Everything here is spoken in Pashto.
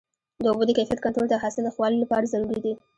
د اوبو د کیفیت کنټرول د حاصل د ښه والي لپاره ضروري دی.